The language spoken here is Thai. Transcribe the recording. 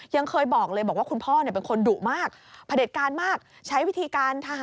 ยังเคยบอกเลยบอกว่าคุณพ่อเป็นคนดุมากพระเด็จการมาก